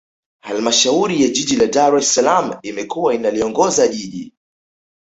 Halmashauri ya Jiji la Dar es Salaam imekuwa inaliongoza Jiji